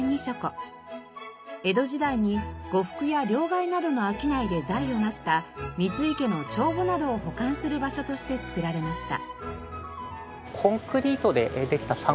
江戸時代に呉服や両替などの商いで財を成した三井家の帳簿などを保管する場所として造られました。